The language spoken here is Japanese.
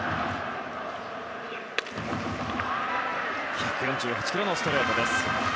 １４８キロのストレートです。